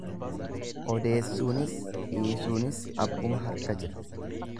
Odeessuunis dhiisuunis abbuma harka jira.